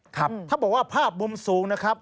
ถ้าบอกว่าภาพมุมสูงนะครับ